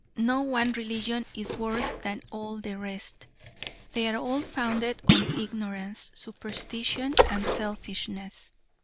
No one religion is any worse than all the rest. They are all founded on ignorance, superstition and selfishness.